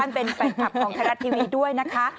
เป็นแฟนคลับของไทยรัฐทีวีด้วยนะคะ